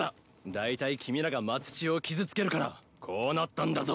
だいたい君らが松千代を傷つけるからこうなったんだぞ。